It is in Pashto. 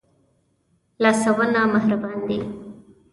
لاسونه مهربان دي